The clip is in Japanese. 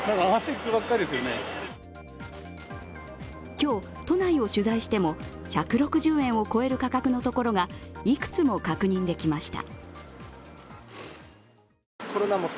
今日、都内を取材しても１６０円を超える価格の所がいくつも確認できました。